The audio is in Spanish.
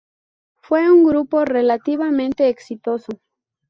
Fue un grupo relativamente exitoso.